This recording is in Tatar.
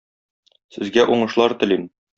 Сезгә уңышлар телим.